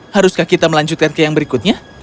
haruskah kita melanjutkan ke yang berikutnya